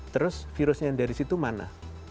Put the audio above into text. terus virusnya yang dari situ mana